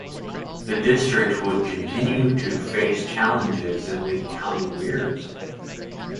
The district would continue to face challenges in the coming years.